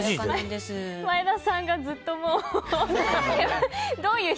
前田さんがずっともう。